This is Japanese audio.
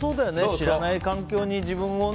知らない環境に自分にね。